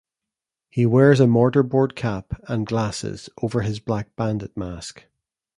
He wears a mortar-board cap and glasses over his black bandit mask.